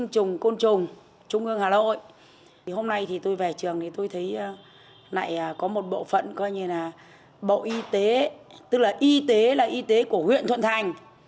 trường thì tôi thấy lại có một bộ phận coi như là bộ y tế tức là y tế là y tế của huyện thuận thành